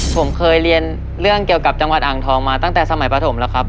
ผมเคยเรียนเรื่องเกี่ยวกับจังหวัดอ่างทองมาตั้งแต่สมัยปฐมแล้วครับ